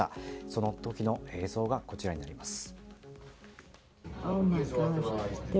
その時の映像がこちらになります。